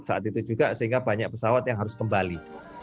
saat itu juga sehingga banyak pesawat yang harus kembali